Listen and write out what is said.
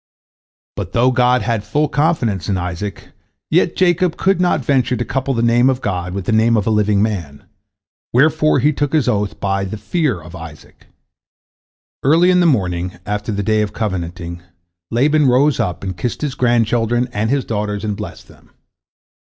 But though God had full confidence in Isaac, yet Jacob could not venture to couple the name of God with the name of a living man, wherefore he took his oath by "the Fear of Isaac." Early in the morning after the day of covenanting, Laban rose up, and kissed his grandchildren and his daughters, and blessed them.